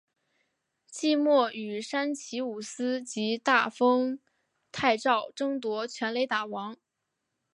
季末与山崎武司及大丰泰昭争夺全垒打王。